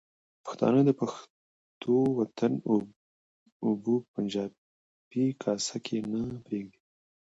پښتانه د پښتون وطن اوبه په پنجابي کاسه کې نه پرېږدي.